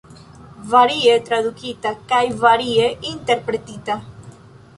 Varie tradukita kaj varie interpretita.